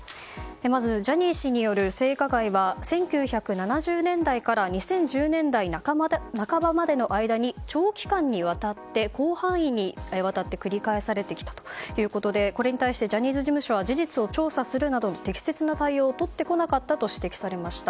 まず、ジャニー氏による性加害は１９７０年代から２０１０年代半ばまでの間に長期間にわたって広範囲にわたって繰り返されてきたということでこれに対してジャニーズ事務所は事実を調査するなどと適切な対応をとってこなかったと指摘されました。